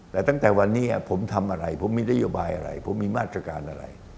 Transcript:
แต่ตั้งแต่วันนี้ผมทำอะไรผมมีนโยบายอะไรผมมีมาตรการอะไร